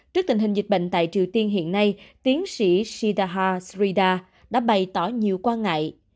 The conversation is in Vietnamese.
trước tình hình dịch bệnh tại triều tiên hiện nay tiến sĩ shidaha srida đã bày tỏ nhiều quan ngại